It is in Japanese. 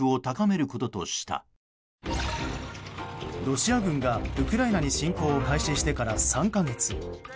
ロシア軍がウクライナに侵攻を開始してから３か月。